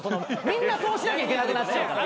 みんなそうしなきゃいけなくなっちゃう。